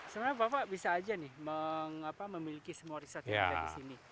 sebenarnya bapak bisa aja nih memiliki semua riset yang ada di sini